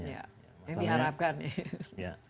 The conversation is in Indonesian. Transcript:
yang diharapkan ya